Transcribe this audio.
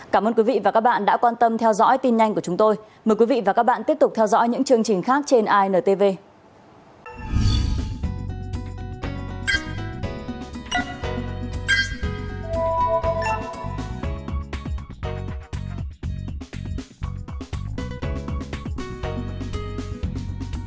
cảm ơn các bạn đã theo dõi và hẹn gặp lại